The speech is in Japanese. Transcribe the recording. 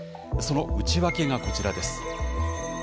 その内訳がこちらです。